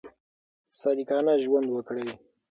صادقانه ژوند وکړئ.